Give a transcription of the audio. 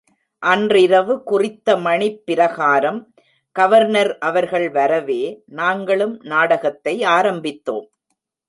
அன்றிரவு குறித்த மணிப்பிரகாரம் கவர்னர் அவர்கள் வரவே, நாங்களும் நாடகத்தை ஆரம்பித்தோம்.